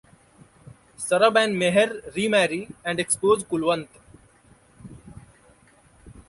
Sarab and Meher remarry and expose Kulwant.